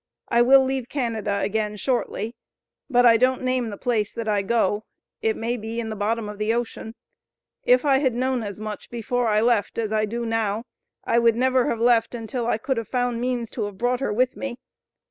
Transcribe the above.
I will leave Canada again shortly, but I don't name the place that I go, it may be in the bottom of the ocean. If I had known as much before I left, as I do now, I would never have left until I could have found means to have brought her with me.